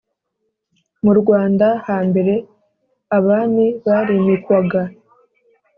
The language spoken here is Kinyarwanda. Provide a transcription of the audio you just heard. Mu Rwanda hambere, abami barimikwaga